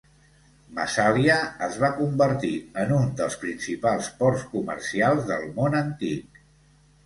Massalia es va convertir en un dels principals ports comercials del món antic.